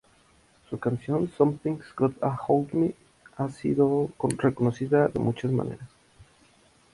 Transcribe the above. Su canción "Something's Got a Hold on Me" ha sido reconocida de muchas maneras.